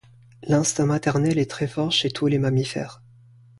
L'instinct maternel est très fort chez tous les mammifères.